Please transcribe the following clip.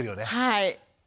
はい。